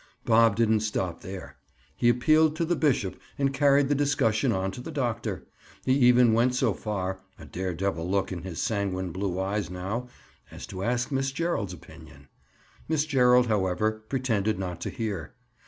Bob didn't stop there. He appealed to the bishop and carried the discussion on to the doctor. He even went so far, a daredevil look in his sanguine blue eyes now, as to ask Miss Gerald's opinion. Miss Gerald, however, pretended not to hear.